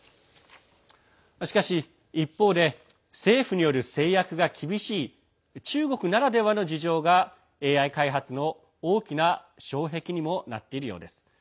しかし一方で政府による制約が厳しい中国ならではの事情がＡＩ開発の大きな障壁にもなっているようです。